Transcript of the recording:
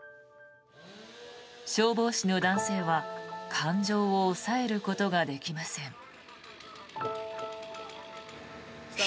消防士の男性は感情を抑えることができません。